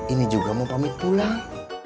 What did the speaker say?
ini juga mau pamit pulang